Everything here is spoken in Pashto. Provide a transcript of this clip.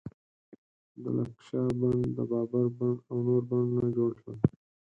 د لکشا بڼ، د بابر بڼ او نور بڼونه جوړ شول.